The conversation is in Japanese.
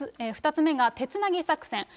２つ目が、手つなぎ作戦。